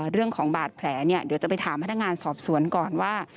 เรื่องของบาดแผลเนี่ยเดี๋ยวจะไปถามพนักงานสอบสวนก่อนว่า